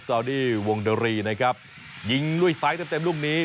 ซาวดีวงดรีนะครับยิงลุยซ้ายแต่เต็มลูกนี้